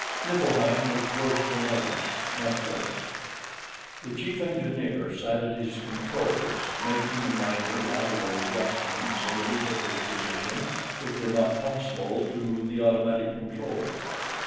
Niflheim was worse than airless, much worse. The chief engineer sat at his controls, making the minor lateral adjustments in the vehicle's position which were not possible to the automatic controls.